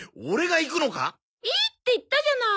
いいって言ったじゃない。